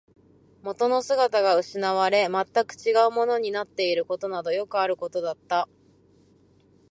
元の姿が失われ、全く違うものになっていることなどよくあることだった